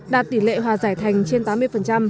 đạt tỷ lệ hòa giải thành trên tám mươi